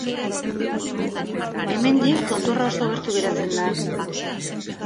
Hemendik, tontorra oso gertu geratzen da.